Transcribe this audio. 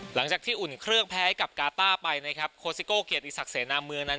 หลังจากที่อุ่นเครื่องแพ้กับกาตาไปนะครับโคซิโกเกียรติศักดิ์เสนามเมืองนั้น